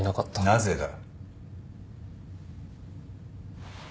なぜだ？